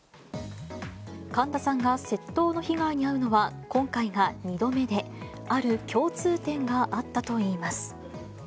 神田さんが窃盗の被害に遭うのは、今回が２度目で、ある共通点があったといいます。